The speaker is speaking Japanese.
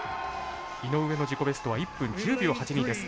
井上の自己ベストは１分１０秒８２です。